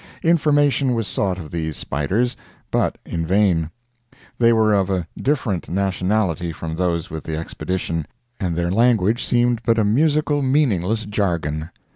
Information was sought of these spiders, but in vain. They were of a different nationality from those with the expedition, and their language seemed but a musical, meaningless jargon.